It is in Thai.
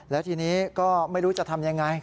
แล้วทีนี้ก็ไม่รู้จะทำยังไง